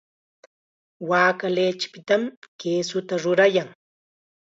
Waaka lichipitam kisuta rurayan.